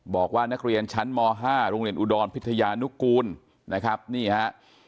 บอกว่านักเรียนชั้นม๕โรงเรียนอุดรพิทยานุกูลนะครับนี่ฮะ